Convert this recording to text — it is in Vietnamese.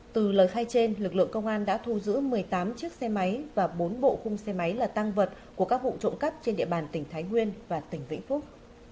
từ lời khai trên lực lượng công an đã thu giữ một mươi tám chiếc xe máy và bốn bộ khung xe máy là tăng vật của các vụ trộm cắp trên địa bàn tỉnh thái nguyên và tỉnh vĩnh phúc